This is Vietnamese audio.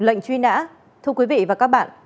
lệnh truy nã thưa quý vị và các bạn